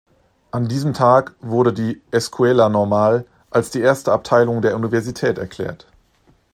An diesem Tag wurde die "Escuela Normal" als die erste Abteilung der Universität erklärt.